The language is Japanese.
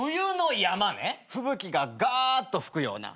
吹雪がガーッと吹くような。